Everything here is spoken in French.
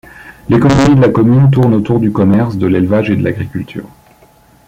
L’économie de la commune tourne autour du commerce de l’élevage et de l’agriculture.